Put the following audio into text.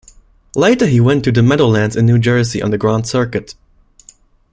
Later he went to the Meadowlands in New Jersey on the Grand Circuit.